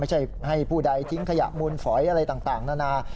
ให้ผู้ใดทิ้งขยะมูลฝอยอะไรต่างนานา